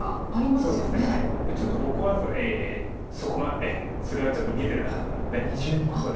ちょっと僕はそれはちょっと見えてなかったのでここで。